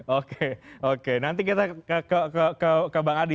oke oke nanti kita ke bang adi